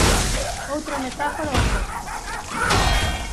Outra metáfora ao cesto.